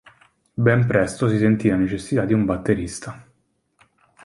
Ben presto si sentì la necessità di un batterista.